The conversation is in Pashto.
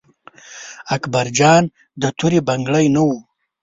اکبر جان د تورې بنګړي نه و.